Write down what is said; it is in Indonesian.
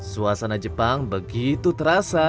suasana jepang begitu terasa